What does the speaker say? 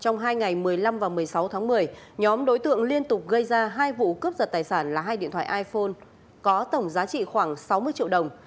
trong hai ngày một mươi năm và một mươi sáu tháng một mươi nhóm đối tượng liên tục gây ra hai vụ cướp giật tài sản là hai điện thoại iphone có tổng giá trị khoảng sáu mươi triệu đồng